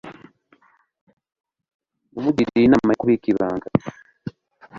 Namugiriye inama yo kubika ibanga.